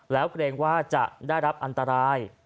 แล้วเกรงว่าจะได้รับอันตราย